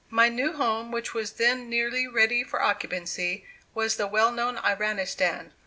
My new home, which was then nearly ready for occupancy, was the well known Iranistan.